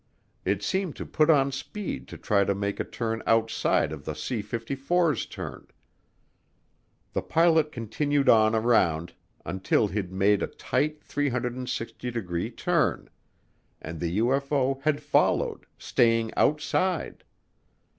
It seemed to put on speed to try to make a turn outside of the C 54's turn. The pilot continued on around until he'd made a tight 360 degree turn, and the UFO had followed, staying outside.